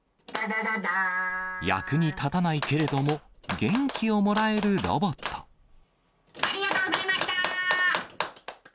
役に立たないけれども、ありがとうございました！